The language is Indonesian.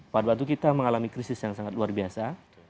pada waktu kita mengalami krisis yang sangat luar biasa